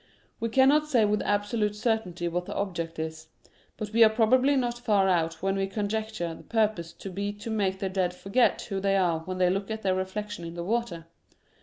We cannot say with absolute certainty what the object is — but we are probably not far out when we conjecture the purpose to be to make the dead forget who they are when they look at their reflection in the water.